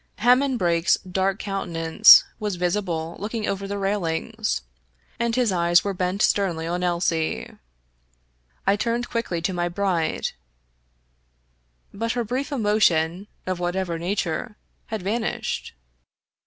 Hammond Brake's dark countenance was vis ible looking over the railings, and his eyes were bent sternly on Elsie. I turned quickly round to my bride, but her brief emotion, of whatever nature, had vanished.